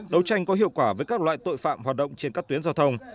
đấu tranh có hiệu quả với các loại tội phạm hoạt động trên các tuyến giao thông